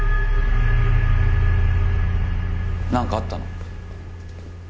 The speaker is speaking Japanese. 何かあったの？